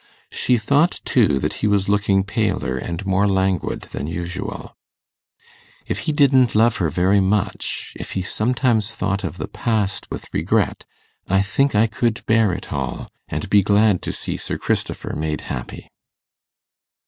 She thought, too, that he was looking paler and more languid than usual. 'If he didn't love her very much if he sometimes thought of the past with regret, I think I could bear it all, and be glad to see Sir Christopher made happy.